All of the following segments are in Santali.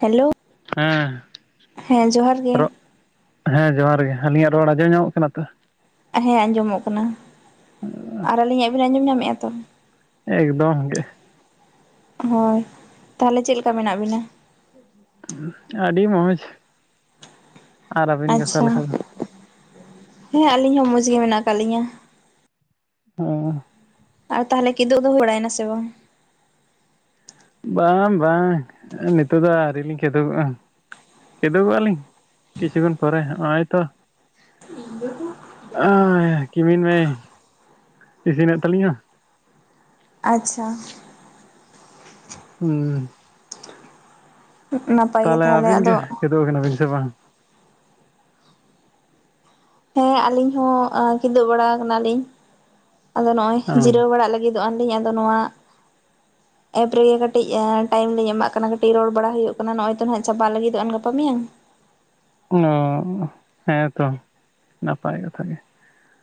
ᱦᱮᱞᱳ᱾ ᱦᱮᱸ, ᱦᱮᱸ ᱡᱚᱦᱟᱨ ᱜᱮ ᱨᱚᱜ, ᱦᱮᱸ ᱡᱚᱸᱦᱟᱨ ᱜᱮ, ᱟᱹᱞᱤᱧᱟᱜ ᱨᱚᱲ ᱟᱸᱡᱚᱢ ᱧᱟᱢᱚᱜ ᱠᱟᱱᱟ ᱛᱚ? ᱦᱮᱸ ᱟᱸᱡᱚᱢᱚᱜ ᱠᱟᱱᱟ, ᱟᱨ ᱟᱹᱞᱤᱧᱟᱜ ᱵᱤᱱ ᱟᱸᱡᱚᱢ ᱧᱟᱢᱮᱜ-ᱟ ᱛᱚ? ᱮᱠᱫᱚᱢ ᱜᱮ᱾ ᱦᱳᱭ ᱛᱟᱦᱚᱞᱮ ᱪᱮᱫ ᱞᱮᱠᱟ ᱢᱮᱱᱟᱜ ᱵᱤᱱᱟᱹ? ᱩ ᱟᱹᱰᱤ ᱢᱚᱡᱽ᱾ ᱟᱪᱪᱷᱟ, ᱞᱮᱠᱟ ᱫᱚ? ᱦᱮᱸ ᱟᱹᱞᱤᱧ ᱦᱚᱸ ᱢᱚᱡᱽ ᱜᱮ ᱢᱮᱱᱟᱜ ᱠᱟᱜ ᱞᱤᱧᱟᱹ᱾ ᱦᱮᱸ᱾ ᱟᱨ ᱛᱟᱦᱚᱞᱮ ᱠᱤᱫᱩᱵ ᱫᱚ ᱦᱩᱭ ᱵᱟᱲᱟᱭ ᱱᱟ ᱥᱮ ᱵᱟᱝ? ᱵᱟᱝ ᱵᱟᱝ ᱱᱤᱛᱚᱜ ᱫᱚ ᱟᱹᱣᱨᱤ ᱞᱤᱧ ᱠᱮᱫᱳᱵᱚᱜᱼᱟ᱾ ᱠᱮᱫᱳᱵᱚᱜ-ᱟ ᱞᱤᱧ ᱠᱤᱪᱷᱩ ᱠᱷᱚᱱ ᱯᱚᱨᱮ ᱦᱚᱸᱜᱼᱚᱭ ᱛᱚ [inaudible] ᱟᱭ ᱠᱤᱢᱤᱱ ᱢᱮᱭ ᱤᱥᱤᱱᱮᱜ ᱛᱟᱹᱞᱤᱧᱟ᱾ ᱟᱪᱪᱷᱟ᱾ ᱦᱩᱸ᱾ ᱱᱟᱯᱟᱭ ᱜᱮ ᱛᱟᱞᱮ ᱛᱟᱦᱚᱞᱮ ᱟᱹᱵᱤᱱ ᱟᱫᱚ ᱜᱮ ᱠᱤᱫᱳᱵ ᱟᱠᱟᱱᱟᱵᱤᱱ ᱥᱮ ᱵᱟᱝ? ᱦᱮᱸ ᱟᱞᱤᱧ ᱦᱚᱸ ᱟᱹ ᱠᱤᱫᱩᱵ ᱵᱟᱲᱟ ᱠᱟᱱᱟ ᱞᱤᱧ, ᱟᱫᱚ ᱱᱚᱜ-ᱚᱭ ᱚ ᱡᱤᱨᱟᱹᱣ ᱵᱟᱲᱟᱜ ᱞᱟᱹᱜᱤᱫ [inaudible] ᱟᱹᱞᱤᱧ ᱟᱫᱚ ᱱᱚᱣᱟ ᱮᱯ ᱨᱮᱜᱮ ᱠᱟᱹᱴᱤᱡ ᱮᱸ ᱴᱟᱭᱤᱢ ᱞᱤᱧ ᱮᱢᱟᱜ ᱠᱟᱱᱟ ᱠᱟᱹᱴᱤᱡ ᱨᱚᱲ ᱵᱟᱲᱟ ᱦᱩᱭᱩᱜ ᱠᱟᱱᱟ ᱱᱚᱜᱼᱚᱭ ᱛᱚ ᱱᱟᱦᱟᱜ ᱪᱟᱵᱟᱜ ᱞᱟᱹᱜᱤᱫᱚᱜ-ᱟᱱ ᱜᱟᱯᱟ ᱢᱮᱭᱟᱝ᱾ ᱱᱚ ᱦᱮᱸ ᱛᱚ ᱱᱟᱯᱟᱭ ᱠᱟᱛᱷᱟ ᱜᱮ,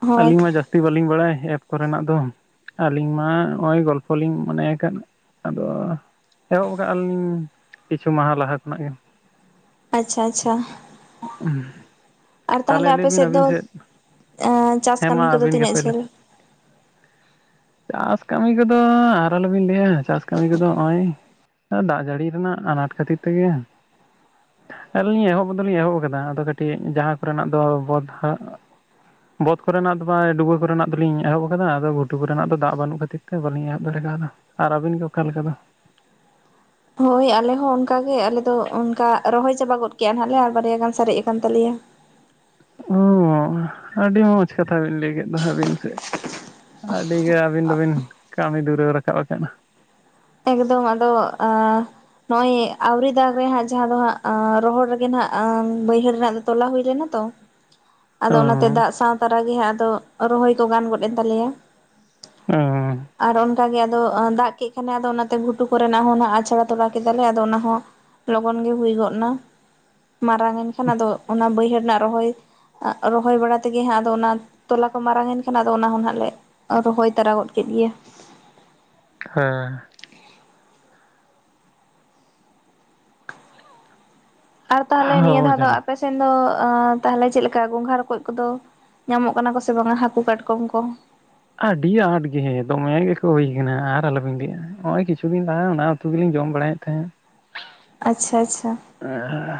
ᱦᱳᱭ ᱟᱹᱞᱤᱧ ᱢᱟ ᱡᱟᱥ ᱛᱤ ᱵᱟᱹᱞᱤᱧ ᱵᱟᱲᱟᱭ ᱮᱯ ᱠᱚᱨᱮᱱᱟᱜ ᱫᱚ᱾ ᱟᱹᱞᱤᱧ ᱢᱟ ᱦᱚᱸᱜᱼᱚᱭ ᱜᱚᱞᱯᱚ ᱞᱤᱧ ᱢᱚᱱᱮ ᱟᱠᱟᱫ ᱟᱫᱚ ᱮᱦᱚᱵ ᱠᱟᱜ-ᱟ ᱞᱤᱧ ᱠᱤᱪᱷᱩ ᱢᱟᱦᱟ ᱞᱟᱦᱟ ᱠᱷᱚᱱᱟᱜ ᱜᱮ᱾ ᱟᱪᱪᱷᱟ ᱟᱪᱪᱷᱟ᱾ [inaudible] ᱟᱨ ᱛᱟᱦᱚᱞᱮ ᱟᱯᱮ ᱥᱮᱫ ᱫᱚ, ᱮᱸ ᱪᱟᱥ ᱦᱮᱸ ᱠᱟᱹᱢᱤ ᱢᱟ ᱠᱚᱫᱚ ᱟᱹᱵᱤᱱ ᱜᱮ ᱛᱤᱱᱟᱹᱜ ᱯᱳᱭᱞᱳ ᱡᱷᱟᱹᱞ? [unintelligible] ᱪᱟᱥ ᱠᱟᱹᱢᱤ ᱠᱚᱫᱚ ᱟᱨ ᱟᱞᱚᱵᱤᱱ ᱞᱟᱹᱭᱟ ᱪᱟᱥ ᱠᱟᱹᱢᱤ ᱠᱚᱫᱚ ᱦᱚᱸᱜᱼᱚᱭ ᱟ ᱫᱟᱜ ᱡᱟᱹᱲᱤ ᱨᱮᱱᱟᱜ ᱟᱱᱟᱴ ᱠᱷᱟᱹᱛᱤᱨ ᱛᱮᱜᱮ, ᱟᱹᱞᱤᱧ ᱮᱦᱚᱵ ᱠᱚᱫᱚ ᱞᱤᱧ ᱮᱦᱚᱵ ᱟᱠᱟᱫᱟ ᱟᱫᱚ ᱠᱟᱹᱴᱤᱡ ᱡᱟᱦᱟᱸ ᱠᱚᱨᱮᱱᱟᱜ ᱫᱚ ᱵᱚᱫ [unintelligible] [unintelligible] ᱵᱚᱛ ᱠᱚᱨᱮᱱᱟᱜ ᱫᱚ ᱵᱟᱝ ᱰᱩᱵᱟᱹ ᱠᱚᱨᱮᱱᱟᱜ ᱫᱚᱞᱤᱧ ᱮᱦᱚᱵ ᱟᱠᱟᱫᱟ, ᱟᱫᱚ ᱜᱷᱩᱴᱩ ᱠᱚᱨᱮᱱᱟᱜ ᱫᱚ ᱫᱟᱜ ᱵᱟᱹᱱᱩᱜ ᱠᱷᱟᱹᱛᱤᱨ ᱛᱮ ᱵᱟᱞᱤᱧ ᱮᱦᱚᱵ ᱫᱟᱲᱮ ᱠᱟᱣᱫᱟ᱾ ᱟᱨ ᱟᱹᱵᱤᱱ ᱜᱮ ᱚᱠᱟ ᱞᱮᱠᱟ ᱫᱚ? ᱦᱳᱭ ᱟᱞᱮ ᱦᱚᱸ ᱚᱱᱠᱟᱜᱮ, ᱟᱞᱮ ᱫᱚ ᱚᱝᱠᱟ ᱨᱚᱦᱚᱭ ᱪᱟᱵᱟ ᱜᱚᱫ ᱠᱮᱜ ᱱᱟᱦᱟᱸᱜ ᱞᱮ ᱟᱨ ᱵᱟᱨᱭᱟ ᱜᱟᱱ ᱥᱟᱨᱮᱜ ᱟᱠᱟᱱ ᱛᱟᱞᱮᱭᱟ᱾ ᱚᱸ ᱟᱹᱰᱤ ᱢᱚᱡᱽ ᱠᱟᱛᱷᱟ ᱵᱤᱱ ᱞᱟᱹᱭ ᱠᱮᱜ ᱫᱚ ᱦᱟᱸᱜ ᱟᱹᱵᱤᱱ ᱥᱮᱜ᱾ ᱟᱹᱰᱤᱜᱮ ᱟᱹᱵᱤᱱ ᱫᱚᱵᱤᱱ ᱠᱟᱹᱢᱤ ᱫᱷᱩᱨᱟᱹᱣ ᱨᱟᱠᱟᱵ ᱟᱠᱟᱱᱟ᱾ ᱮᱠᱫᱚᱢ ᱟᱫᱚ ᱟᱸ ᱱᱚᱜᱼᱚᱭ ᱟᱣᱨᱤ ᱫᱟᱜᱽ ᱨᱮ ᱦᱟᱸᱜ ᱡᱟᱦᱟᱸ ᱫᱚ ᱦᱟᱸᱜ ᱟᱸ ᱨᱚᱦᱚᱲ ᱨᱮᱜᱮ ᱱᱟᱦᱟᱸᱜ ᱟᱸ ᱵᱟᱹᱭᱦᱟᱹᱲ ᱨᱮᱱᱟᱜ, ᱛᱚᱞᱟ ᱦᱩᱭ ᱞᱮᱱᱟ ᱛᱚ᱾ ᱟᱫᱚ ᱚᱱᱟᱛᱮ ᱚᱸ ᱫᱟᱜᱽ ᱥᱟᱶ ᱛᱟᱨᱟ ᱜᱮ ᱦᱟᱸᱜ ᱟᱫᱚ ᱨᱚᱦᱚᱭ ᱠᱚ ᱜᱟᱱ ᱜᱚᱫ ᱮᱱ ᱛᱟᱞᱮᱭᱟ᱾ ᱚᱸ ᱟᱨ ᱚᱱᱠᱟ ᱜᱮ ᱟᱫᱚ ᱫᱟᱜᱽ ᱠᱮᱜ ᱠᱷᱟᱱᱮ ᱟᱫᱚ ᱚᱱᱟ- ᱛᱮ ᱜᱷᱩᱴᱩ ᱠᱚᱨᱮᱱᱟᱜ ᱦᱚᱸ ᱚᱱᱟ ᱟᱪᱷᱲᱟ ᱛᱚᱨᱟ ᱠᱮᱫᱟᱞᱮ ᱟᱫᱚ ᱚᱱᱟ ᱦᱚᱸ ᱞᱚᱜᱚᱱ ᱜᱮ ᱦᱩᱭ ᱜᱚᱫ ᱱᱟ᱾ ᱢᱟᱨᱟᱝ ᱮᱱ ᱠᱷᱟᱱ ᱟᱫᱚ ᱚᱱᱟ ᱵᱟᱹᱭᱦᱟᱹᱲ ᱨᱮᱱᱟᱜ ᱨᱚᱦᱚᱭ, ᱨᱚᱦᱚᱭ ᱵᱟᱲᱟ ᱛᱮᱜᱮ ᱦᱟᱸᱜ ᱟᱫᱚ ᱚᱱᱟ ᱛᱚᱞᱟ ᱠᱚ ᱢᱟᱨᱟᱝ ᱮᱱ ᱠᱷᱟᱱ ᱟᱫᱚ ᱚᱱᱟ ᱦᱚᱸ ᱱᱟᱦᱟᱸᱜ ᱞᱮ ᱨᱚᱦᱚᱭ ᱛᱟᱨᱟ ᱜᱚᱫ ᱠᱮᱜ ᱜᱮᱭᱟ᱾ ᱦᱮᱸ᱾ ᱟᱨ ᱛᱟᱦᱚᱞᱮ ᱱᱤᱭᱟᱹ ᱦᱳᱭ ᱫᱷᱟᱣ ᱫᱚ ᱡᱟᱞᱟ ᱟᱯᱮ ᱥᱮᱱ ᱫᱚ ᱟᱸ ᱛᱟᱦᱚᱞᱮ ᱪᱮᱫ ᱞᱮᱠᱟ ᱜᱚᱸᱜᱷᱟ ᱨᱚᱠᱚᱭᱡ ᱠᱚᱫᱚ? ᱧᱟᱢᱚᱜ ᱠᱟᱱᱟ ᱠᱚ ᱥᱮ ᱵᱟᱝᱟ ᱦᱟᱹᱠᱩ ᱠᱟᱴᱠᱚᱢ ᱠᱚ? ᱟᱹᱰᱤ ᱟᱸᱴ ᱜᱮᱸ, ᱫᱚᱢᱮ ᱜᱮᱠᱚ ᱦᱩᱭ ᱟᱠᱟᱱᱟ ᱟᱨ ᱟᱞᱚᱵᱤᱱ ᱞᱟᱹᱭᱟ ᱦᱚᱸᱜᱼᱚᱭ ᱠᱤᱪᱷᱩ ᱫᱤᱱ ᱞᱟᱦᱟ ᱚᱱᱟ ᱩᱛᱩ ᱜᱮᱞᱤᱧ ᱡᱚᱢ ᱵᱟᱲᱟᱭᱮᱜ ᱛᱟᱦᱮᱸᱜ᱾ ᱟᱪᱪᱷᱟ ᱟᱪᱪᱷᱟ᱾ ᱮᱸ ᱦᱮᱸ,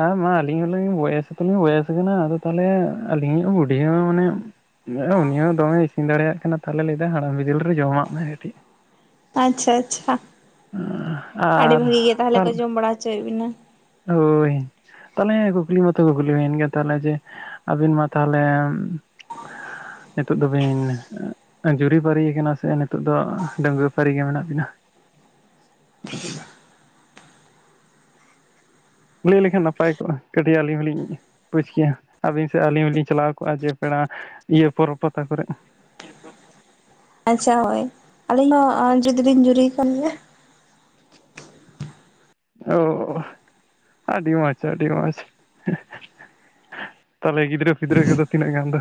ᱟᱸ ᱢᱟ ᱟᱹᱞᱤᱧ ᱦᱚᱸᱞᱤᱧ ᱵᱚᱭᱮᱥ ᱫᱚᱞᱤᱧ ᱵᱚᱭᱮᱥ ᱟᱠᱟᱱᱟ ᱟᱫᱚ ᱛᱟᱦᱚᱞᱮ ᱟᱹᱞᱤᱧᱤᱜ ᱵᱩᱰᱷᱤ ᱦᱚᱸ ᱢᱟᱱᱮ ᱩᱱᱤᱭᱟᱜ ᱦᱚᱸ ᱩᱱᱤ ᱦᱚᱸ ᱫᱚᱢᱮ ᱤᱥᱤᱱ ᱫᱟᱲᱮᱭᱟᱜ ᱠᱟᱱᱟ ᱛᱟᱦᱚᱞᱮ ᱞᱟᱹᱭᱫᱟ ᱦᱟᱲᱟᱢ ᱵᱤᱫᱟᱹᱞ ᱨᱮ ᱡᱚᱢᱟᱜ ᱢᱮ ᱠᱟᱹᱴᱤᱜ᱾ ᱟᱪᱪᱷᱟ ᱟᱪᱪᱷᱟ, ᱟᱹᱰᱤ ᱟᱨ ᱵᱷᱟᱹᱜᱤ ᱜᱮ ᱛᱟᱦᱚᱞᱮ ᱠᱚ ᱛᱟᱞ ᱡᱚᱢ ᱵᱟᱲᱟ ᱚᱪᱚᱭᱮᱜ ᱵᱤᱱᱟ᱾ ᱦᱳᱭ᱾ ᱛᱟᱦᱚᱞᱮ ᱠᱩᱠᱞᱤ ᱢᱟᱛᱚ ᱠᱩᱠᱞᱤ ᱦᱩᱭᱮᱱ ᱜᱮᱭᱟ ᱛᱟᱦᱚᱞᱮ ᱡᱮ ᱟᱹᱵᱤᱱ ᱢᱟ ᱛᱟᱦᱚᱞᱮ ᱱᱤᱛᱳᱜ ᱫᱚᱵᱤᱱ ᱡᱩᱨᱤ ᱯᱟᱹᱨᱤ ᱟᱠᱟᱱᱟ ᱥᱮ ᱱᱤᱛᱚᱜ ᱫᱚ ᱰᱟᱹᱝᱜᱩᱣᱟᱹ ᱯᱟᱹᱨᱤ ᱜᱮ ᱢᱮᱱᱟᱜ ᱵᱤᱱᱟ? [unintelligible] ᱞᱟᱹᱭ ᱞᱮᱠᱷᱟᱱ ᱱᱟᱯᱟᱭ ᱠᱚᱜᱼᱟ᱾ ᱠᱟᱹᱴᱤᱜ ᱟᱹᱞᱤᱧ ᱦᱚᱸᱞᱤᱧ ᱵᱩᱡᱽ ᱠᱮᱭᱟ ᱟᱹᱵᱤᱱ ᱥᱮᱜ ᱟᱹᱞᱤᱧ ᱦᱚᱸᱞᱤᱧ ᱪᱟᱞᱟᱣ ᱠᱚᱜᱼᱟ ᱡᱮ ᱯᱮᱲᱟ ᱤᱭᱟᱹ ᱯᱚᱨᱚᱵᱽ ᱯᱟᱛᱟ ᱠᱚᱨᱮᱜ᱾ ᱟᱪᱪᱷᱟ ᱦᱳᱭ ᱟᱹᱞᱤᱧ ᱦᱚᱸ ᱚᱸ ᱡᱚᱫᱤ ᱵᱤᱱ ᱡᱩᱨᱤ ᱠᱟᱹᱞᱤᱧᱟ᱾ ᱚᱻ ᱟᱹᱰᱤ ᱢᱚᱸᱡᱽ ᱟᱹᱰᱤ ᱢᱚᱸᱡᱽ᱾ ᱛᱟᱦᱚᱞᱮ ᱜᱤᱫᱽᱨᱟᱹ ᱯᱤᱫᱽᱨᱟᱹ ᱠᱚᱫᱚ ᱛᱤᱱᱟᱹᱜ ᱜᱟᱱ ᱫᱚ?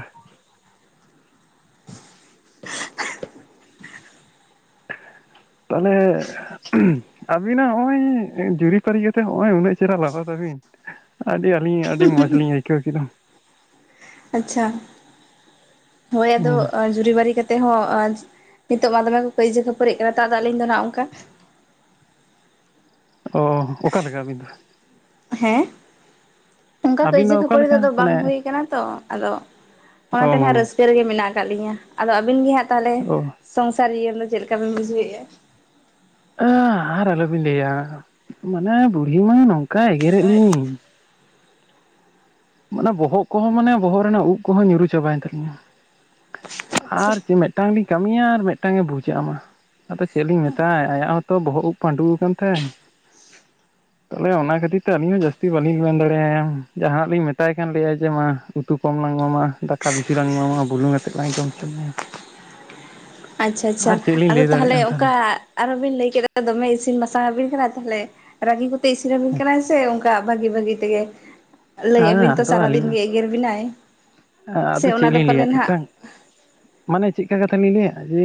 ᱛᱟᱦᱚᱞᱮ, ᱟᱹᱵᱤᱱᱟᱜ ᱦᱚᱸᱜᱼᱚᱭ ᱡᱩᱨᱤᱼᱯᱟᱹᱨᱤ ᱠᱟᱛᱮᱜ ᱦᱚᱸᱜᱼᱚᱭ ᱩᱱᱟᱹᱜ ᱪᱮᱨᱦᱟ ᱨᱟᱦᱟ ᱛᱟᱵᱤᱱ᱾ ᱟᱹᱰᱤ ᱟᱹᱞᱤᱧ ᱟᱹᱰᱤ ᱢᱚᱸᱡᱽ ᱞᱤᱧ ᱟᱹᱭᱠᱟᱹᱣ ᱠᱮᱫᱟ᱾ ᱟᱪᱪᱷᱟ, ᱦᱳᱭ ᱟᱫᱚ ᱦᱩᱸ ᱡᱩᱨᱤ ᱵᱟᱹᱨᱤ ᱠᱟᱛᱮᱜ ᱦᱚᱸ ᱱᱤᱛᱚᱜ ᱢᱟ ᱫᱚᱢᱮ ᱠᱚ ᱠᱟᱹᱭᱡᱟᱹ ᱠᱷᱟᱹᱯᱟᱹᱨᱤ ᱠᱟᱱᱟ ᱱᱮᱛᱟᱨ ᱫᱚ ᱟᱹᱞᱤᱧ ᱫᱚ ᱱᱟᱦᱟᱸᱜ ᱚᱝᱠᱟ ᱚᱻ ᱚᱠᱟᱞᱮᱠᱟ ᱟᱹᱵᱤᱱ ᱫᱚ? ᱦᱮᱸ ᱚᱝᱠᱟ ᱟᱹᱵᱤᱱ ᱠᱟᱹᱭᱡᱟᱹ ᱫᱚ ᱠᱷᱟᱹᱯᱟᱹᱲᱤ ᱫᱚ ᱚᱠᱟᱞᱮᱠᱟ ᱵᱟᱝ ᱢᱟᱱᱮ ᱦᱩᱭ ᱠᱟᱱᱟ ᱛᱚ ᱟᱫᱚ ᱚᱱᱟᱛᱮ ᱱᱟᱦᱟᱸᱜ ᱚ ᱨᱟᱹᱥ ᱨᱮᱜᱮ ᱢᱮᱱᱟᱜ ᱟᱠᱟᱜ ᱞᱤᱧᱟᱹ᱾ ᱟᱫᱚ ᱟᱹᱵᱤᱱ ᱜᱮ ᱦᱟᱸᱜ ᱛᱟᱦᱚᱞᱮ ᱚ ᱥᱚᱝᱥᱟᱨ ᱤᱭᱟᱹ [unintelligible] ᱪᱮᱜ ᱞᱮᱠᱟ ᱵᱤᱱ ᱵᱩᱡᱷᱟᱹᱣᱮᱜᱼᱟ? ᱟ ᱟᱨ ᱟᱞᱚᱵᱤᱱ ᱞᱟᱹᱭᱟ ᱢᱟᱱᱮ ᱵᱩᱲᱦᱤ ᱢᱟ ᱱᱚᱝᱠᱟ ᱮᱜᱮᱨᱮᱜ ᱞᱤᱧᱟᱹ᱾ ᱢᱟᱱᱮ ᱵᱚᱦᱚᱜ ᱠᱚᱦᱚᱸ ᱢᱟᱱᱮ ᱵᱚᱦᱚᱜ ᱨᱮᱱᱟᱜ ᱩᱵ ᱠᱚᱦᱚᱸ ᱧᱩᱨᱩ ᱪᱟᱵᱟᱭᱮᱱ ᱛᱟᱞᱤᱧᱟ᱾ ᱟᱨ ᱡᱮ ᱢᱤᱜᱴᱟᱝ ᱞᱤᱧ ᱠᱟᱹᱢᱤᱭᱟ ᱟᱨ ᱢᱤᱫᱹᱜᱴᱟᱝᱮ ᱵᱩᱡᱷᱟᱹᱜᱼᱟᱢᱟ᱾ ᱟᱫᱚ ᱪᱮᱫ ᱞᱤᱧ ᱢᱮᱛᱟᱭᱼᱟ ᱟᱭᱟᱜ ᱦᱚᱸᱛᱚ ᱵᱚᱦᱚᱜ ᱩᱵ ᱯᱟᱹᱰᱩ ᱟᱠᱟᱱ ᱛᱟᱭᱟ᱾ ᱛᱟᱦᱚᱞᱮ ᱚᱱᱟ ᱠᱷᱟᱹᱛᱤᱨ ᱛᱮ ᱟᱹᱞᱤᱧ ᱦᱚᱸ ᱡᱟᱹᱥᱛᱤ ᱵᱟᱹᱞᱤᱧ ᱢᱮᱱ ᱫᱟᱲᱮᱟᱭᱟ ᱡᱟᱦᱟᱱᱟᱜ ᱞᱤᱧ ᱢᱮ ᱢᱮᱛᱟᱭ ᱠᱷᱟᱱ ᱞᱟᱹᱭᱟᱭ ᱡᱮ ᱢᱟ ᱩᱛᱩ ᱠᱚᱢ ᱞᱟᱝ ᱮᱢᱟᱢᱟ ᱫᱟᱠᱟ ᱵᱤᱥᱤ ᱞᱟᱝ ᱮᱢᱟᱢᱟ ᱵᱩᱞᱩᱝ ᱟᱛᱮᱫ ᱞᱟᱝ ᱡᱚᱢ ᱦᱚᱪᱚ ᱢᱮᱭᱟ᱾ ᱟᱪᱪᱷᱟ ᱟᱪᱪᱷᱟ ᱟᱨ ᱪᱮᱫ ᱞᱤᱧ ᱟᱫᱚ ᱞᱟᱹᱭ ᱛᱟᱦᱚᱞᱮ ᱫᱟᱲᱮᱭᱟᱜᱼᱟ ᱚᱱᱠᱟ ᱟᱨᱦᱚᱸ ᱵᱤᱱ ᱞᱟᱹᱭ ᱠᱮᱫᱟ ᱫᱚᱢᱮ ᱤᱥᱤᱱ ᱵᱟᱥᱟᱝ ᱟᱵᱤᱱ ᱠᱟᱱᱟ ᱛᱟᱦᱚᱞᱮ ᱨᱟᱹᱜᱤ ᱠᱚ ᱤᱥᱤᱱᱵᱤᱱ ᱠᱟᱱᱟᱭ ᱥᱮ ᱚᱱᱠᱟ ᱵᱷᱟᱹᱜᱤ ᱵᱷᱟᱹᱜᱤ ᱛᱮᱜᱮ ᱦᱮᱸ ᱞᱟᱹᱭᱵᱤᱱ ᱛᱚ ᱟᱫᱚ ᱥᱟᱨᱟ ᱫᱤᱱ ᱟᱹᱞᱤᱧ ᱜᱮ ᱮᱜᱮᱨ ᱵᱮᱱᱟᱭ᱾ ᱟᱫᱚ ᱪᱮᱫ ᱞᱤᱧ ᱞᱟᱹᱭᱟ ᱢᱤᱫᱴᱟᱝ ᱢᱟᱱᱮ ᱪᱮᱫ ᱞᱮᱠᱟ ᱠᱟᱛᱷᱟ ᱞᱤᱧ ᱞᱟᱹᱭᱟ ᱡᱮ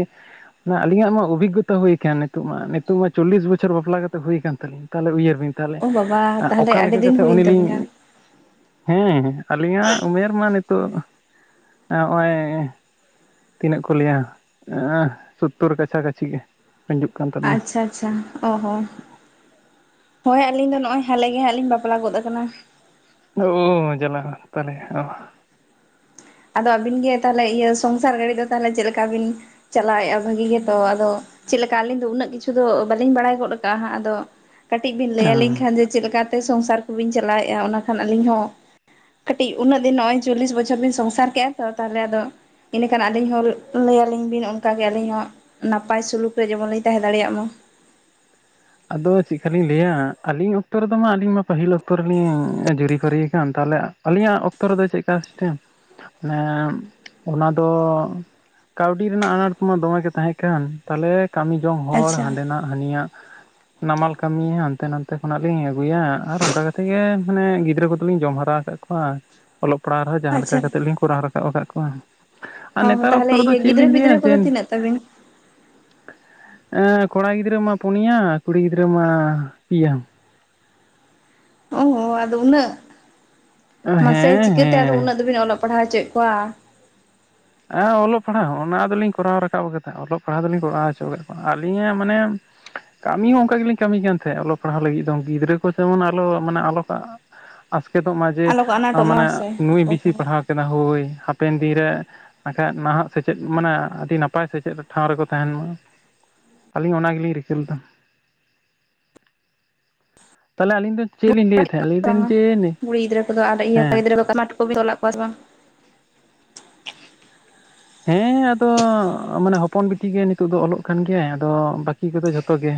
ᱚᱱᱟ ᱟᱞᱤᱧᱟᱜ ᱢᱟ ᱚᱵᱷᱤᱜᱚᱛᱟ ᱦᱩᱭ ᱟᱠᱟᱱ ᱱᱤᱛᱚᱜ ᱢᱟ ᱱᱤᱛᱚᱜ ᱢᱟ ᱪᱚᱞᱞᱤᱥ ᱵᱚᱪᱷᱚᱨ ᱵᱟᱯᱞᱟ ᱠᱟᱛᱮ ᱦᱩᱭᱩ ᱟᱠᱟᱱ ᱛᱟᱹᱧᱟ᱾ ᱛᱟᱦᱚᱞᱮ ᱩᱭᱦᱟᱹᱨ ᱵᱤᱱ ᱛᱟᱦᱚᱞᱮ ᱚ ᱵᱟᱵᱟ ᱛᱟᱦᱚᱞᱮ ᱚᱠᱟ ᱟᱹᱰᱤ ᱞᱮᱠᱟ ᱫᱤᱱ ᱠᱟᱛᱮᱫ ᱩᱱᱤ ᱦᱩᱭᱮᱱ ᱞᱤᱧ ᱛᱟᱵᱤᱱᱟ ᱦᱮᱸ ᱟᱹᱞᱤᱧᱟᱜ ᱩᱢᱮᱨ ᱢᱟ ᱱᱤᱛᱚᱜ ᱱᱚᱜᱼᱚᱭ ᱛᱤᱱᱟᱹᱜ ᱠᱚ ᱞᱟᱹᱭᱟ ᱮᱸ ᱥᱳᱛᱛᱚᱨ ᱠᱟᱪᱷᱟ ᱠᱟᱪᱷᱤ ᱜᱮ [inaudible] ᱟᱪᱪᱷᱟ ᱟᱪᱪᱷᱟ᱾ ᱚ ᱦᱚᱸ ᱦᱳᱭ ᱟᱹᱞᱤᱧ ᱫᱚ ᱱᱚᱜᱼᱚᱭ ᱦᱟᱞᱮ ᱜᱮ ᱦᱟᱸᱜ ᱞᱤᱧ ᱵᱟᱯᱞᱟ ᱜᱚᱫ ᱟᱠᱟᱱᱟ᱾ ᱚᱻ ᱡᱟᱞᱟ ᱛᱟᱦᱚᱞᱮ ᱚ᱾ ᱟᱫᱚ ᱟᱵᱤᱱ ᱜᱮ ᱛᱟᱦᱚᱞᱮ ᱤᱭᱟᱹ ᱥᱚᱝᱥᱟᱨ ᱜᱟᱹᱲᱤ ᱫᱚ ᱛᱟᱦᱚᱞᱮ ᱪᱮᱫ ᱞᱮᱠᱟ ᱵᱤᱱ ᱪᱟᱞᱟᱣᱮᱫᱼᱟ ᱵᱷᱟᱹᱜᱤ ᱜᱮᱛᱚ ᱟᱫᱚ ᱪᱮᱫ ᱞᱮᱠᱟ ᱟᱹᱞᱤᱧ ᱫᱚ ᱩᱱᱟᱹᱜ ᱠᱤᱪᱷᱩ ᱫᱚ ᱵᱟᱹᱞᱤᱧ ᱵᱟᱲᱟᱭ ᱜᱚᱫ ᱠᱟᱜᱼᱟ ᱦᱟᱸᱜ ᱟᱫᱚ ᱠᱟᱹᱴᱤᱡ ᱵᱤᱱ ᱞᱟᱹᱭ ᱟᱹᱞᱤᱧ ᱦᱮᱸ ᱠᱷᱟᱱ ᱡᱮ ᱪᱮᱫ ᱞᱮᱠᱟᱛᱮ ᱥᱚᱝᱥᱟᱨ ᱠᱚᱵᱤᱱ ᱪᱟᱞᱟᱣᱮᱫᱼᱟ ᱚᱱᱟ ᱠᱷᱟᱱ ᱟᱹᱞᱤᱧ ᱦᱚᱸ ᱠᱟᱹᱴᱤᱡ ᱩᱱᱟᱹᱜ ᱫᱤᱱ ᱱᱚᱜᱼᱚᱭ ᱪᱚᱞᱞᱤᱥ ᱵᱚᱪᱷᱚᱨ ᱵᱤᱱ ᱥᱚᱝᱥᱟᱨ ᱠᱮᱫᱼᱟ ᱛᱚ ᱛᱟᱦᱚᱞᱮ ᱟᱫᱚ ᱤᱱᱟᱹᱠᱷᱟᱱ ᱟᱹᱞᱤᱧ ᱦᱚᱸ ᱞᱟᱹᱭ ᱟᱹᱞᱤᱧ ᱵᱤᱱ ᱚᱱᱠᱟᱜᱮ ᱟᱹᱞᱤᱧ ᱦᱚᱸ ᱱᱟᱯᱟᱭ ᱥᱩᱞᱩᱠ ᱨᱮ ᱡᱮᱢᱚᱱ ᱞᱤᱧ ᱛᱟᱦᱮᱸ ᱫᱟᱲᱮᱭᱟᱜ ᱢᱟ᱾ ᱟᱫᱚ ᱪᱮᱫᱠᱟ ᱞᱤᱧ ᱞᱟᱹᱭᱟ ᱟᱹᱞᱤᱧ ᱚᱠᱛᱚ ᱨᱮᱫᱚ ᱢᱟ ᱟᱹᱞᱤᱧ ᱢᱟ ᱯᱟᱹᱦᱤᱞ ᱚᱠᱛᱚ ᱨᱮᱜᱮ ᱞᱤᱧ ᱡᱩᱨᱤ ᱯᱟᱹᱨᱤ ᱟᱠᱟᱱ᱾ ᱛᱟᱦᱚᱞᱮ ᱟᱹᱞᱤᱧᱟᱜ ᱚᱠᱛᱚ ᱨᱮᱫᱚ ᱪᱮᱫ ᱞᱮᱠᱟ ᱥᱤᱥᱴᱮᱢ ᱢᱟᱱᱮ ᱚᱱᱟ ᱫᱚ ᱠᱟᱹᱣᱰᱤ ᱨᱮᱱᱟᱜ ᱟᱱᱟᱴ ᱢᱟ ᱫᱚᱢᱮᱜᱮ ᱛᱟᱦᱮᱸ ᱠᱟᱱ ᱛᱟᱦᱚᱞᱮ ᱠᱟᱹᱢᱤ ᱡᱚᱝ ᱦᱚᱲ ᱟᱪᱪᱷᱟ ᱦᱟᱸᱰᱮᱱᱟᱜ ᱦᱟᱹᱱᱤᱭᱟᱜ ᱱᱟᱢᱟᱞ ᱠᱟᱹᱢᱤ ᱦᱟᱱᱛᱮ ᱱᱟᱛᱮ ᱠᱷᱚᱱᱟᱜ ᱞᱤᱧ ᱟᱹᱜᱩᱭᱟ ᱟᱨ ᱚᱱᱠᱟ ᱠᱟᱛᱮ ᱜᱮ ᱢᱟᱱᱮ ᱜᱤᱫᱽᱨᱟᱹ ᱠᱚᱫᱚᱞᱤᱧ ᱡᱚᱢ ᱦᱟᱨᱟ ᱟᱠᱟᱫ ᱠᱚᱣᱟ᱾ ᱟᱨ ᱚᱞᱚᱜ ᱯᱟᱲᱦᱟᱜ ᱨᱮᱦᱚᱸ ᱡᱟᱦᱟᱸ ᱟᱪᱪᱷᱟ ᱞᱮᱠᱟ ᱠᱟᱛᱮᱜ ᱞᱤᱧ ᱠᱚᱨᱟᱣ ᱨᱟᱠᱟᱵ ᱟᱠᱟᱫ ᱠᱚᱣᱟ᱾ ᱟᱨ ᱚ ᱱᱮᱛᱟᱨ ᱚᱠᱛᱚ ᱛᱟᱦᱚᱞᱮ ᱨᱮᱫᱚ ᱤᱭᱟᱹ ᱪᱮᱫ ᱜᱤᱫᱽᱨᱟᱹ ᱵᱤᱱ ᱞᱟᱹᱭᱟ ᱯᱤᱫᱽᱨᱟᱹ ᱠᱚᱫᱚ ᱡᱮᱱ ᱛᱤᱱᱟᱹᱜ ᱛᱟᱵᱤᱱ ᱮ ᱠᱚᱲᱟ ᱜᱤᱫᱽᱨᱟᱹ ᱢᱟ ᱯᱩᱱᱭᱟ ᱠᱩᱲᱤ ᱜᱤᱫᱽᱨᱟᱹ ᱢᱟ ᱯᱮᱭᱟ᱾ ᱚᱻ ᱟᱫᱚ ᱩᱱᱟᱹᱜ? ᱢᱟᱥᱮ ᱦᱮᱸ ᱪᱤᱠᱟᱹᱛᱮ ᱟᱫᱚ ᱦᱮᱸ ᱩᱱᱟᱹᱜ ᱫᱚᱵᱤᱱ ᱚᱞᱚᱜ ᱯᱟᱲᱦᱟᱣ ᱚᱪᱚᱭᱮᱫ ᱠᱚᱣᱟ? ᱦᱮᱸ ᱚᱞᱚᱜ ᱯᱟᱲᱦᱟᱜ ᱚᱱᱟ ᱫᱚᱞᱤᱧ ᱠᱚᱨᱟᱣ ᱨᱟᱠᱟᱵ ᱠᱟᱫᱟ ᱚᱞᱚᱜ ᱯᱟᱲᱦᱟᱜ ᱫᱚᱞᱤᱧ ᱠᱚᱨᱟᱣ ᱦᱚᱪᱚ ᱟᱠᱟᱫ ᱠᱚᱣᱟ᱾ ᱟᱹᱞᱤᱧᱟᱜ ᱢᱟᱱᱮ ᱠᱟᱹᱢᱤ ᱦᱚᱸ ᱚᱱᱠᱟ ᱜᱮᱞᱤᱧ ᱠᱟᱹᱢᱤ ᱠᱟᱱ ᱛᱟᱦᱮᱸᱫ ᱚᱞᱚᱜ ᱯᱟᱲᱦᱟᱜ ᱞᱟᱹᱜᱤᱫ ᱫᱚ ᱜᱤᱫᱽᱨᱟᱹ ᱠᱚ ᱡᱮᱢᱚᱱ ᱟᱞᱚ ᱢᱟᱱᱮ ᱟᱞᱚᱠᱚ ᱟᱥᱠᱮᱛᱚᱜ ᱢᱟ ᱡᱮ ᱟᱞᱚ ᱠᱚ ᱟᱱᱟᱴᱚᱜ ᱢᱟᱱᱮ ᱢᱟ ᱥᱮ ᱱᱩᱭ ᱵᱤᱥᱤ ᱯᱟᱲᱦᱟᱣ ᱠᱮᱫᱟ ᱦᱳᱭ ᱦᱟᱯᱮᱱ ᱫᱤᱱᱨᱮ ᱵᱟᱠᱷᱟᱡ ᱢᱟᱦᱟᱜ ᱥᱮᱪᱮᱫ ᱢᱟᱱᱮ ᱱᱟᱯᱟᱭ ᱥᱮᱪᱮᱫ ᱴᱷᱟᱶ ᱨᱮᱠᱚ ᱛᱟᱦᱮᱱ ᱢᱟ᱾ ᱟᱹᱞᱤᱧ ᱚᱱᱟ ᱜᱮᱞᱤᱧ ᱨᱤᱠᱟᱹ ᱞᱮᱫᱟ᱾ ᱛᱟᱦᱚᱞᱮ ᱟᱹᱞᱤᱧ ᱫᱚ ᱪᱮᱫ ᱞᱤᱧ ᱞᱟᱹᱭᱮᱫ ᱛᱟᱦᱮᱸᱫ ᱞᱟᱹᱭ [inaudible] ᱫᱟᱹᱧ ᱵᱟᱝᱟ ᱡᱮ ᱠᱩᱲᱤ ᱜᱤᱫᱽᱨᱟᱹ ᱠᱚᱫᱚ ᱟᱨ ᱤᱭᱟᱹ ᱦᱮᱸ ᱠᱚᱱᱟ ᱜᱤᱫᱽᱨᱟᱹ ᱵᱟᱴᱩᱠᱩ ᱛᱚᱞᱟᱫ ᱠᱚᱣᱟ ᱥᱮ ᱵᱟᱝ ᱦᱮᱸ ᱟᱫᱚ ᱢᱟᱱᱮ ᱦᱚᱯᱚᱱ ᱵᱤᱴᱤ ᱜᱮ ᱱᱤᱛᱚᱜ ᱫᱚ ᱚᱞᱚᱜ ᱠᱟᱱ ᱜᱮᱭᱟᱭ ᱟᱫᱚ ᱵᱟᱹᱠᱤ ᱠᱚᱫᱚ ᱡᱷᱚᱛᱚ ᱜᱮ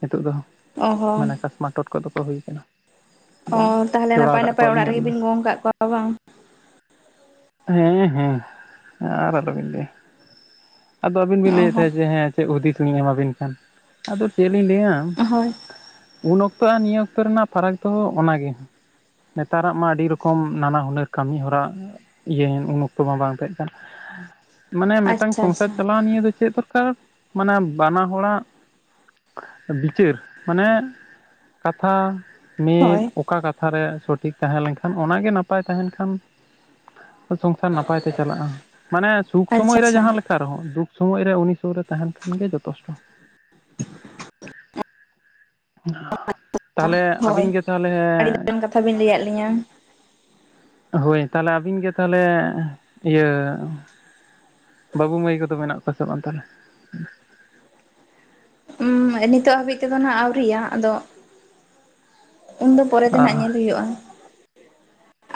ᱱᱤᱛᱚᱜ ᱫᱚ ᱚ ᱦᱚᱸ ᱢᱟᱱᱮ ᱠᱟᱥᱢᱟᱨ ᱴᱚᱴᱠᱚ ᱫᱚᱠᱚ ᱠᱚ ᱦᱩᱭ ᱠᱟᱱᱟ᱾ ᱚᱻ ᱟᱫᱚ ᱛᱟᱦᱚᱞᱮ ᱡᱚᱲᱟᱣ ᱱᱟᱯᱟᱭ ᱠᱟᱜ ᱱᱟᱯᱟᱭ ᱚᱲᱟᱜ ᱠᱚᱣᱟᱞᱤᱧ ᱟᱹᱞᱤᱧ ᱫᱚ ᱨᱮᱜᱮᱵᱤᱱ ᱜᱚᱝ ᱟᱠᱟᱫ ᱠᱚᱣᱟ ᱵᱟᱝ᱾ ᱦᱮᱸ ᱦᱮᱸ ᱟᱨ ᱟᱞᱚ ᱵᱤᱱ ᱞᱟᱹᱭᱟ ᱟᱫᱚ ᱟᱹᱵᱤᱱ ᱵᱤᱱ ᱚ ᱞᱟᱹᱭᱮᱫ ᱦᱚᱸ ᱛᱟᱦᱮᱸᱫ ᱡᱮ ᱦᱮᱸ ᱪᱮᱫ ᱦᱩᱫᱤᱥ ᱞᱤᱧ ᱮᱢᱟᱵᱤᱱ ᱠᱷᱟᱱ ᱟᱫᱚ ᱪᱮᱫ ᱞᱤᱧ ᱞᱟᱹᱭᱟ᱾ ᱦᱳᱭ ᱩᱱ ᱚᱠᱛᱚ ᱟᱨ ᱱᱤᱭᱟᱹ ᱚᱠᱛᱚ ᱨᱮᱱᱟᱜ ᱯᱷᱟᱨᱟᱠ ᱫᱚ ᱚᱱᱟᱜᱮ᱾ ᱱᱮᱛᱟᱨᱟᱜ ᱢᱟ ᱟᱹᱰᱤ ᱨᱚᱠᱚᱢ ᱱᱟᱱᱟ ᱦᱩᱱᱟᱹᱨ ᱠᱟᱹᱢᱤ ᱦᱚᱨᱟ ᱩᱱ ᱚᱠᱛᱚ ᱢᱟ ᱵᱟᱝ ᱛᱟᱦᱮᱸ ᱠᱟᱱ ᱢᱟᱱᱮ ᱢᱤᱫᱴᱟᱝ ᱟᱪᱪᱷᱟ ᱟᱪᱪᱷᱟ ᱢᱟ ᱱᱤᱭᱟᱹ ᱫᱚ ᱪᱮᱫ ᱫᱚᱨᱠᱟᱨ ᱢᱟᱱᱮ ᱵᱟᱱᱟ ᱦᱚᱲᱟᱜ ᱵᱤᱪᱟᱹᱨ ᱢᱟᱱᱮ ᱠᱟᱛᱷᱟ ᱢᱤᱫ ᱦᱳᱭ ᱚᱠᱟ ᱠᱟᱛᱷᱟᱨᱮ ᱥᱚᱴᱷᱤᱠ ᱛᱟᱦᱮᱸ ᱞᱮᱱᱠᱷᱟᱱ ᱚᱱᱟᱜᱮ ᱱᱟᱯᱟᱭ ᱛᱟᱦᱮᱱ ᱠᱷᱟᱱ ᱥᱚᱝᱥᱟᱨ ᱱᱟᱯᱟᱭ ᱛᱮ ᱪᱟᱞᱟᱜᱼᱟ᱾ ᱢᱟᱱᱮ ᱥᱩᱠ ᱥᱚᱢᱚᱭ ᱟᱪᱪᱷᱟ ᱨᱮ ᱟᱪᱪᱷᱟ ᱡᱟᱦᱟᱸ ᱞᱮᱠᱟ ᱨᱮᱦᱚᱸ ᱫᱩᱠ ᱥᱚᱢᱚᱭ ᱨᱮ ᱩᱱᱤ ᱥᱩᱨ ᱨᱮ ᱛᱟᱦᱮᱱ ᱠᱷᱟᱱ ᱜᱮ ᱡᱚᱛᱷᱮᱥᱴᱚ᱾ [inaudible] ᱛᱟᱦᱚᱞᱮ [inaudible] ᱦᱳᱭ ᱟᱹᱵᱤᱱ ᱜᱮ ᱛᱟᱦᱚᱞᱮ ᱟᱹᱰᱤ ᱫᱟᱢᱟᱱ ᱠᱟᱛᱷᱟ ᱵᱤᱱ ᱞᱟᱹᱭᱟᱫ ᱞᱤᱧᱟᱹ᱾ ᱦᱳᱭ ᱛᱟᱦᱚᱞᱮ ᱟᱹᱵᱤᱱ ᱜᱮ ᱛᱟᱦᱚᱞᱮ ᱤᱭᱟᱹ ᱵᱟᱹᱵᱩ ᱢᱟᱹᱭ ᱠᱚᱫᱚ ᱢᱮᱱᱟᱜ ᱠᱚᱣᱟ ᱥᱮ ᱵᱟᱝ ᱛᱟᱦᱚᱞᱮ? ᱦᱩᱸ ᱱᱤᱛᱚᱜᱜ ᱦᱟᱹᱵᱤᱡ ᱛᱮᱫᱚ ᱱᱟᱜ ᱟᱹᱣᱨᱤᱭᱟ ᱟᱫᱚ ᱩᱱ ᱫᱚ ᱯᱚᱨᱮ ᱛᱮ ᱱᱟᱜ ᱧᱮᱞ ᱦᱩᱭᱩᱜᱼᱟ᱾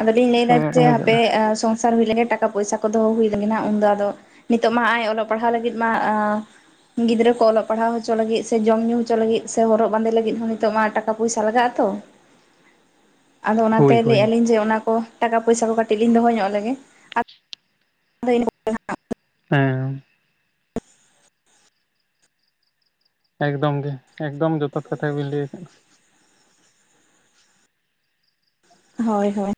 ᱟᱫᱚᱞᱤᱧ ᱞᱟᱹᱭ ᱮᱫᱟ ᱡᱮ ᱦᱟᱯᱮ ᱥᱚᱝ ᱥᱚᱝᱥᱟᱨ ᱦᱩᱭ ᱞᱮᱜᱮ ᱴᱟᱠᱟ ᱯᱚᱭᱥᱟ ᱠᱚ ᱫᱚᱦᱚ ᱦᱩᱭ ᱞᱮᱜᱮ ᱦᱟᱸᱜ ᱩᱱᱫᱚ ᱟᱫᱚ ᱱᱤᱛᱚᱜ ᱢᱟ ᱟᱡ ᱚᱞᱚᱜ ᱯᱟᱲᱦᱟᱣ ᱞᱟᱹᱜᱤᱫ ᱢᱟᱻ ᱜᱤᱫᱽᱨᱟᱹ ᱠᱚ ᱚᱞᱚᱜ ᱯᱟᱲᱦᱟᱣ ᱦᱚᱪᱚ ᱞᱟᱹᱜᱤᱫ ᱥᱮ ᱡᱚᱢ ᱧᱩ ᱦᱚᱪᱚ ᱞᱟᱹᱜᱤᱫ ᱥᱮ ᱦᱚᱨᱚᱜ ᱵᱟᱸᱫᱮ ᱞᱟᱹᱜᱤᱫ ᱦᱚᱸ ᱱᱤᱛᱚᱜ ᱢᱟ ᱴᱟᱠᱟ ᱯᱚᱭᱥᱟ ᱞᱟᱜᱟᱜ-ᱟ᱾ ᱛᱚ᱾ ᱟᱫᱚ ᱚᱱᱟᱛᱮ ᱦᱳᱭ ᱞᱟᱹᱭᱼᱟ ᱦᱳᱭ ᱞᱤᱧ ᱡᱮ ᱚᱱᱟ ᱠᱚ ᱴᱟᱠᱟ ᱯᱚᱭᱥᱟ ᱠᱚ ᱠᱟᱹᱴᱤᱡ ᱞᱤᱧ ᱫᱚᱦᱚᱜ ᱧᱚᱜ ᱞᱮᱜᱮ᱾ [unintelligible] ᱦᱮᱸ [unintelligible] ᱮᱠᱫᱚᱢ ᱜᱮ ᱮᱠᱫᱚᱢ ᱡᱚᱛᱷᱟᱛ ᱠᱟᱛᱷᱟ ᱜᱮ ᱵᱤᱱ ᱞᱟᱹᱭ ᱟᱠᱟᱫ-ᱟ᱾ ᱦᱳᱭ ᱦᱳᱭ᱾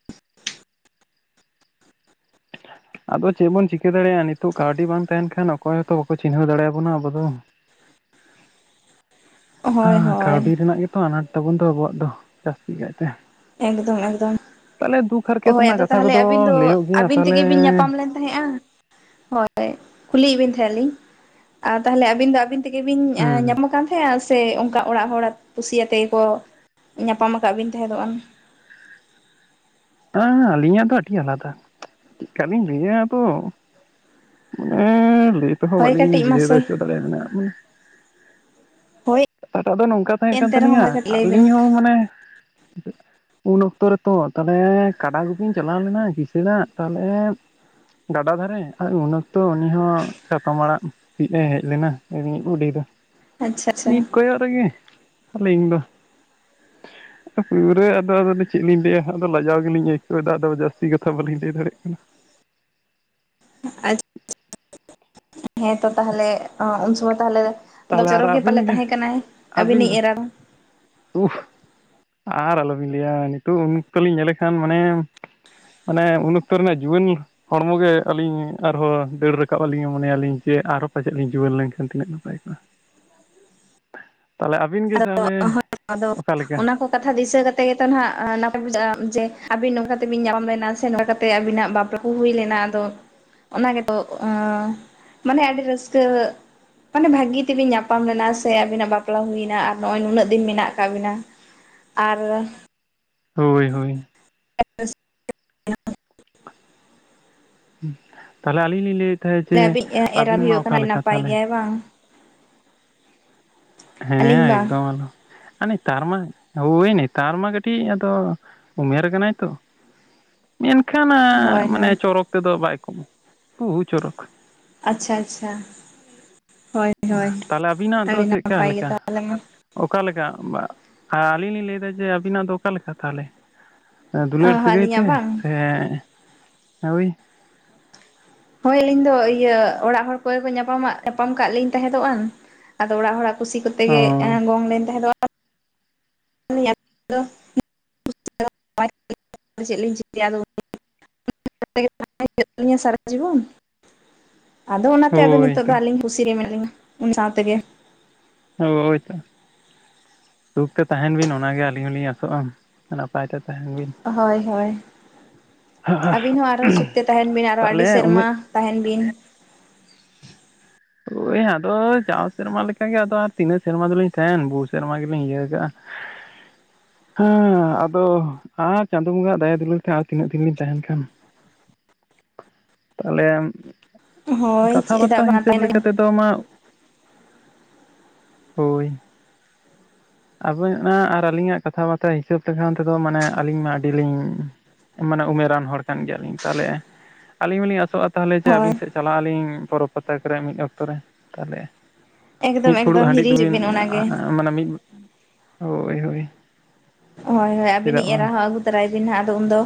ᱟᱫᱚ ᱪᱮᱫ ᱵᱚᱱ ᱪᱤᱠᱟᱹ ᱫᱟᱲᱮᱭᱟᱜᱼᱟ ᱱᱤᱛᱚᱜ ᱠᱟᱹᱣᱰᱤ ᱵᱟᱝ ᱛᱟᱦᱮᱱ ᱠᱷᱟᱱ ᱚᱠᱚᱭ ᱦᱚᱸᱛᱚ ᱵᱟᱠᱚ ᱪᱤᱱᱦᱟᱹᱣ ᱫᱟᱲᱮᱭᱟᱵᱚᱱᱟ ᱟᱵᱚ ᱫᱚ᱾ ᱦᱳᱭ ᱦᱮᱸ ᱦᱳᱭ ᱠᱟᱹᱣᱰᱤ ᱨᱮᱱᱟᱜ ᱜᱮᱛᱚ ᱟᱱᱟᱴ ᱛᱟᱵᱚᱱ ᱫᱚ ᱟᱵᱚᱣᱟᱜ ᱫᱚ ᱡᱟᱹᱥᱛᱤ ᱠᱟᱭᱛᱮ᱾ ᱮᱠᱫᱚᱢ ᱮᱠᱫᱚᱢ᱾ ᱛᱟᱦᱚᱞᱮ ᱫᱩᱠ ᱦᱟᱨᱠᱮᱛ ᱦᱳᱭ ᱨᱮᱱᱟᱜ ᱟᱫᱚ ᱠᱟᱛᱷᱟ ᱛᱟᱦᱚᱞᱮ ᱠᱚᱫᱚ ᱞᱟᱹᱭᱟᱹᱜ ᱜᱮᱭᱟ ᱛᱟᱦᱚᱞᱮ ᱛᱟᱦᱮᱸᱼᱟ ᱾ ᱦᱳᱭ ᱠᱩᱞᱤᱭᱮᱫ ᱵᱤᱱ ᱛᱟᱦᱮᱸ ᱞᱤᱧ ᱟᱨ ᱛᱟᱦᱚᱞᱮ ᱟᱹᱵᱤᱱ ᱫᱚ ᱟᱹᱵᱤᱱ ᱛᱮᱜᱮ ᱵᱤᱱ ᱦᱩᱸ ᱧᱟᱢ ᱠᱟᱱ ᱛᱟᱦᱮᱸ ᱥᱮ ᱚᱱᱠᱟ ᱚᱲᱟᱜ ᱦᱚᱲ ᱠᱩᱥᱤᱭᱟᱛᱮ ᱜᱮᱠᱚ ᱧᱟᱯᱟᱢ ᱟᱠᱟᱫ ᱵᱤᱱ ᱛᱟᱦᱮᱸᱫᱚᱜᱼᱟ? ᱦᱮᱸ ᱟᱞᱤᱧᱟᱜ ᱫᱚ ᱟᱹᱰᱤ ᱟᱞᱟᱫᱟ᱾ ᱪᱮᱫᱠᱟᱞᱤᱧ ᱞᱟᱹᱭᱟ ᱟᱫᱚ᱾ ᱩᱸᱻ ᱞᱟᱹᱭ ᱛᱮᱦᱚᱸ ᱦᱳᱭ ᱵᱟᱹᱞᱤᱧ ᱠᱟᱹᱴᱤᱡ ᱵᱩᱡᱷᱟᱹᱣ ᱢᱟᱥᱮ ᱦᱚᱪᱚ ᱫᱟᱲᱮ ᱵᱮᱱᱟ ᱩᱸᱻ ᱦᱳᱭ ᱠᱟᱛᱟᱴᱟᱜ ᱫᱚ ᱱᱚᱝᱠᱟ ᱛᱟᱦᱮᱸ ᱠᱟᱱ ᱮᱱᱛᱮ ᱨᱮᱦᱚᱸ ᱛᱟᱹᱟᱞᱤᱧᱟ ᱢᱟ ᱠᱟᱹᱴᱤᱡ ᱞᱟᱹᱭ ᱵᱤᱱ ᱟᱹᱞᱤᱧ ᱦᱚᱸ ᱢᱟᱱᱮ ᱩᱱ ᱚᱠᱛᱚ ᱨᱮᱛᱚ ᱛᱟ ᱦᱮᱸ ᱠᱟᱰᱟ ᱜᱩᱯᱤᱧ ᱪᱟᱞᱟᱣ ᱞᱮᱱᱟ ᱠᱤᱥᱟᱹᱟᱹᱲᱟᱜ ᱛᱟᱦᱚᱞᱮ ᱜᱟᱰᱟ ᱫᱷᱟᱨᱮ ᱟᱨ ᱩᱱ ᱚᱠᱛᱚ ᱩᱱᱤ ᱦᱚᱸ ᱪᱟᱛᱚᱢ ᱟᱲᱟᱜ ᱥᱤᱫ ᱮ ᱦᱮᱡ ᱞᱮᱱᱟᱤᱡ ᱵᱩᱰᱤ ᱫᱚ ᱟᱪᱪᱷᱟ ᱟᱪᱪᱷᱟ ᱢᱤᱫ ᱠᱚᱭᱚᱜ ᱨᱮᱜᱮ ᱟᱹᱞᱤᱧ ᱫᱚ ᱯᱩᱨᱟ ᱟᱫᱚ ᱟᱫᱚ ᱪᱮᱫ ᱞᱤᱧ ᱞᱟᱹᱭᱟ ᱟᱫᱚ ᱞᱟᱡᱟᱣ ᱜᱮᱞᱤᱧ ᱟᱹᱭᱠᱟᱹᱣᱮᱫᱟ ᱟᱫᱚ ᱡᱟᱹᱥᱛᱤ ᱠᱟᱛᱷᱟ ᱵᱟᱹᱞᱤᱧ ᱞᱟᱹᱭ ᱫᱟᱲᱮᱭᱟᱜ ᱠᱟᱱᱟ᱾ ᱟᱪᱪᱷᱟ ᱦᱮᱸᱛᱚ ᱛᱟᱦᱚᱞᱮ ᱩᱱ ᱥᱚᱢᱚᱭ ᱛᱟᱦᱚᱞᱮ ᱛᱟᱦᱚᱞᱮ ᱟᱨ ᱪᱚᱨᱚᱠ ᱜᱮ ᱟᱹᱵᱤᱱ ᱯᱟᱞᱮ ᱛᱟᱦᱮᱸ ᱠᱟᱱᱟᱭ ᱟᱵᱤᱱᱤᱜ ᱮᱨᱟ᱾ [inaudible] ᱩᱯᱷ ᱟᱨ ᱟᱞᱚᱵᱤᱱ ᱞᱟᱹᱭᱟ ᱱᱤᱛᱚᱜ ᱩᱱ ᱚᱠᱛᱚ ᱞᱤᱧ ᱧᱮᱞ ᱞᱮᱠᱷᱟᱱ ᱢᱟᱱᱮ ᱢᱟᱱᱮ ᱩᱱ ᱚᱠᱛᱚ ᱨᱮᱱᱟᱜ ᱡᱩᱣᱟᱹᱱ ᱦᱚᱲᱢᱚ ᱜᱮ ᱟᱹᱞᱤᱧ ᱟᱨᱦᱚᱸ ᱫᱟᱹᱲ ᱨᱟᱠᱟᱵ ᱟᱹᱞᱤᱧ ᱢᱚᱱᱮᱭᱟᱞᱤᱧ ᱡᱮ ᱟᱨᱦᱚᱸ ᱯᱟᱪᱮᱫ ᱞᱤᱧ ᱡᱩᱣᱟᱹᱱ ᱞᱮᱱᱠᱷᱟᱱ ᱛᱤᱱᱟᱹᱜ ᱜᱟᱱ ᱵᱟᱭᱠ ᱢᱟ [unintelligible] [inaudible] ᱛᱟᱦᱚᱞᱮ ᱟᱵᱤᱱ ᱜᱮ ᱟᱫᱚ ᱛᱟᱦᱚᱞᱮ ᱦᱳᱭ ᱟᱫᱚ ᱚᱠᱟᱞᱮᱠᱟ ᱚᱱᱟ ᱠᱚᱼᱼ ᱠᱟᱛᱷᱟ ᱫᱤᱥᱟᱹ ᱠᱟᱛᱮ ᱜᱮᱛᱚ ᱱᱟᱱᱟᱜ ᱱᱟᱯᱟᱭ ᱵᱩᱡᱷᱟᱹᱜ-ᱟ ᱡᱮ ᱟᱵᱤᱱ ᱱᱚᱝᱠᱟ ᱠᱟᱛᱮᱵᱤᱱ ᱧᱟᱯᱟᱢ ᱞᱮᱱᱟ ᱥᱮ ᱱᱚᱝᱠᱟ ᱠᱟᱛᱮ ᱟᱵᱤᱱᱟᱜ ᱵᱟᱯᱞᱟᱼᱼ ᱦᱩᱭ ᱞᱮᱱᱟ ᱟᱫᱚ ᱚᱱᱟ ᱜᱮᱛᱚ ᱢᱟᱱᱮ ᱟᱹᱰᱤ ᱨᱟᱹᱥᱠᱟᱹᱼᱼ ᱢᱟᱱᱮ ᱵᱷᱟᱹᱜᱤ ᱛᱮᱵᱤᱱ ᱧᱟᱯᱟᱢ ᱞᱮᱱᱟ ᱥᱮ ᱟᱵᱤᱱᱟᱜ ᱵᱟᱯᱞᱟ ᱦᱩᱭᱱᱟ᱾ ᱟᱨ ᱱᱚᱜᱼᱚᱭ ᱱᱩᱱᱟᱹᱜ ᱫᱤᱱ ᱢᱮᱱᱟᱜ ᱟᱠᱟᱫ ᱵᱤᱱᱟ ᱟᱨᱼᱼ ᱦᱳᱭ ᱦᱳᱭ᱾ ᱮ [unintelligible] ᱛᱟᱦᱚᱞᱮ ᱟᱹᱞᱤᱧ ᱞᱤᱧ ᱞᱟᱹᱭᱮᱫ ᱛᱟᱦᱮᱸᱫ ᱡᱮ ᱟᱹᱵᱤᱡ ᱮᱨᱟ ᱟᱹᱵᱤᱱ ᱢᱟ ᱦᱩᱭᱩᱜ ᱠᱟᱱᱟᱭ ᱚᱠᱟᱞᱮᱠᱟ ᱱᱟᱯᱟᱭ ᱛᱟᱦᱚᱞᱮ? ᱜᱮᱭᱟᱭ ᱵᱟᱝ ᱦᱮᱸ ᱟᱹᱞᱤᱧ ᱵᱟᱝ ᱮᱠᱫᱚᱢ ᱟᱞᱚ᱾ ᱟᱨ ᱱᱮᱛᱟᱨ ᱢᱟ ᱦᱳᱭ ᱱᱮᱛᱟᱨ ᱢᱟ ᱠᱟᱹᱴᱤᱡ ᱟᱫᱚ ᱩᱢᱮᱨ ᱠᱟᱱᱟᱭ ᱛᱚ᱾ [unintelligible] ᱢᱮᱱᱠᱷᱟᱱ ᱦᱳᱭ ᱢᱟᱱᱮ ᱦᱳᱭ ᱪᱚᱨᱚᱠ ᱛᱮᱫᱚ ᱵᱟᱭ ᱠᱚᱢᱟ ᱵᱩᱦᱩ ᱪᱚᱨᱚᱠ᱾ ᱟᱪᱪᱷᱟ ᱟᱪᱪᱷᱟ ᱦᱳᱭ᱾ ᱦᱳᱭ ᱛᱟᱦᱞᱮ ᱟᱹᱵᱤᱱᱟᱜ ᱫᱚ ᱟᱹᱰᱤ ᱪᱮᱫᱠᱟ ᱱᱟᱯᱟᱭ ᱜᱮ ᱞᱮᱠᱟ? ᱛᱟᱦᱚᱞᱮ ᱢᱟ ᱚᱠᱟ ᱞᱮᱠᱟ ᱟᱹᱞᱤᱧ ᱞᱤᱧ ᱞᱟᱹᱭᱫᱟ ᱡᱮ ᱟᱵᱤᱱᱟᱜ ᱫᱚ ᱚᱠᱟᱞᱮ ᱞᱮᱠᱟ ᱛᱟᱦᱚᱞᱮ᱾ ᱫᱩᱞᱟᱹᱲ ᱥᱟᱹᱜᱟᱹᱭ ᱟᱹᱞᱤᱧᱟᱜ ᱛᱮ ᱵᱟᱝ ᱥᱮ ᱦᱳᱭ, ᱦᱳᱭ ᱟᱹᱞᱤᱧ ᱫᱚ ᱤᱭᱟᱹ ᱚᱲᱟᱜ ᱦᱚᱲ ᱠᱚᱭ ᱠᱚ ᱧᱟᱯᱟᱢᱟᱜ ᱧᱟᱯᱟᱢ ᱠᱟᱜ ᱞᱤᱧ ᱛᱟᱦᱮᱸᱫᱚᱜᱼᱟ᱾ ᱟᱫᱚ ᱚᱲᱟᱜ ᱦᱚᱲᱟᱜ ᱠᱩᱥᱤ ᱠᱚᱛᱮ ᱚ ᱜᱮ ᱜᱚᱝ ᱞᱮᱱ ᱛᱟᱦᱮᱸ ᱫᱚᱜᱟ᱾ ᱪᱮᱫ ᱞᱤᱧ ᱪᱤᱠᱟᱹᱭᱟ ᱟ [inaudible] ᱤᱧᱟ ᱥᱟᱨᱟ ᱡᱤᱵᱚᱱ [inaudible] ᱟᱫᱚ ᱚᱱᱟᱛᱮ ᱟᱫᱚ ᱦᱳᱭ ᱱᱤᱛᱚᱜ ᱛᱚ ᱫᱚ ᱟᱹᱞᱤᱧ ᱠᱩᱥᱤᱨ ᱨᱮ ᱢᱮᱱᱟᱜ ᱞᱤᱧᱟ ᱩᱱᱤ ᱥᱟᱶ ᱛᱮᱜᱮ᱾ ᱦᱳᱭ ᱛᱚ ᱥᱩᱠ ᱛᱮ ᱛᱟᱦᱮᱱ ᱵᱤᱱ ᱚᱱᱟᱜᱮ ᱟᱹᱞᱤᱧ ᱦᱚᱞᱤᱧ ᱟᱥᱚᱜᱼᱟ᱾ ᱱᱟᱯᱟᱭ ᱛᱮ ᱛᱟᱦᱮᱱ ᱵᱤᱱ᱾ ᱦᱳᱭ ᱦᱳᱭ ᱟᱹᱵᱤᱱ ᱦᱚᱸ ᱟᱨᱦᱚᱸ ᱥᱩᱠᱛᱮ ᱛᱟᱦᱮᱱ ᱵᱤᱱ ᱟᱨᱚᱸ ᱟᱹᱰᱤ ᱛᱟᱦᱚᱞᱮ ᱥᱮᱨᱢᱟ᱾ ᱩᱢᱮᱨ ᱛᱟᱦᱮᱱ ᱵᱤᱱ, ᱦᱳᱭ ᱟᱫᱚ ᱪᱟᱣ ᱥᱮᱨᱢᱟ ᱞᱮᱠᱟᱜᱮ ᱟᱫᱚ ᱛᱤᱱᱟᱹᱜ ᱥᱮᱨᱢᱟ ᱫᱚᱞᱤᱧ ᱛᱟᱦᱮᱱ ᱵᱚᱦᱩ ᱥᱮᱨᱢᱟ ᱜᱮᱞᱤᱧ ᱤᱭᱟᱹ ᱠᱟᱜᱼᱟ᱾ [unintelligible] ᱦᱮᱸ ᱟᱫᱚ ᱟᱨ ᱪᱟᱸᱫᱳ ᱵᱚᱸᱜᱟᱜ ᱫᱟᱭᱟ ᱫᱩᱞᱟᱹᱲ ᱛᱮ ᱛᱤᱱᱟᱹᱜ ᱫᱤᱱ ᱞᱤᱧ ᱛᱟᱦᱮᱱ ᱠᱷᱟᱱ᱾ ᱛᱟᱦᱚᱞᱮ ᱟᱢ ᱦᱳᱭ ᱠᱟᱛᱷᱟ ᱵᱟᱨᱛᱟ ᱪᱮᱫᱟᱜ ᱵᱟᱝ ᱦᱤᱥᱟᱹᱵ ᱛᱟᱦᱮᱱ ᱞᱮᱠᱟᱛᱮ ᱫᱚ᱾ ᱛᱚ ᱢᱟ ᱦᱳᱭ᱾ ᱟᱵᱮᱱ ᱟᱜ ᱟᱨ ᱟᱹᱞᱤᱧᱟᱜ ᱠᱟᱛᱷᱟ ᱵᱟᱛᱟ ᱦᱤᱥᱟᱹᱵ ᱞᱮᱠᱷᱟᱱ ᱛᱮᱫᱚ ᱢᱟᱱᱮ ᱟᱹᱞᱤᱧ ᱢᱟ ᱟᱹᱰᱤ ᱞᱤᱧᱼᱼ ᱢᱟᱱᱮ ᱩᱢᱮᱨᱟᱱ ᱦᱚᱲ ᱠᱟᱱ ᱜᱮᱭᱟᱞᱤᱧ ᱛᱟᱦᱚᱞᱮ ᱟᱹᱞᱤᱧ ᱦᱚᱞᱤᱧ ᱟᱥᱚᱜᱼᱟ᱾ ᱛᱟᱦᱚᱞᱮ ᱦᱮ ᱦᱳᱭ ᱟᱹᱵᱤᱱ ᱥᱮᱫ ᱪᱟᱞᱟᱜ ᱟᱹᱞᱤᱧ ᱯᱚᱨᱚᱵᱽ ᱯᱟᱛᱟ ᱠᱚᱨᱮ ᱢᱤᱫ ᱚᱠᱛᱚᱨ ᱨᱮ ᱛᱟᱦᱚᱞᱮᱼᱼ ᱮᱠᱫᱚᱢ ᱢᱤᱫ ᱯᱷᱩᱲᱩᱜ ᱮᱠᱫᱚᱢ ᱦᱟᱺᱰᱤ ᱦᱤᱨᱤ ᱦᱤᱡᱩᱜ ᱫᱚᱵᱤᱱ ᱵᱤᱱ ᱚᱱᱟᱜᱮ ᱢᱟᱱᱮ ᱢᱤᱫ ᱦᱳᱭ ᱦᱳᱭ᱾ ᱦᱳᱭ ᱦᱳᱭ ᱪᱮᱫᱟᱜ ᱟᱹᱵᱤᱱᱤᱡ ᱵᱟᱝ ᱮᱨᱟ ᱦᱚᱸ ᱟᱹᱜᱩ ᱛᱚᱨᱟᱭ ᱵᱤᱱ ᱦᱟᱸᱜ ᱟᱫᱚ ᱩᱱᱫᱚ᱾